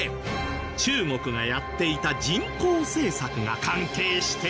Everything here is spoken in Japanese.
中国がやっていた人口政策が関係していた？